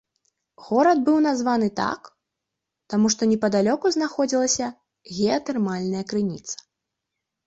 Горад быў названы так, таму што непадалёку знаходзілася геатэрмальная крыніца.